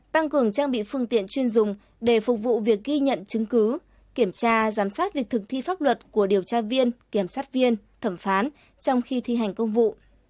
tăng cường trang bị phương tiện chuyên dùng để phục vụ việc ghi nhận chứng cứ kiểm tra giám sát việc thực thi pháp luật của điều tra viên kiểm sát viên thẩm phán trong khi thi hành công vụ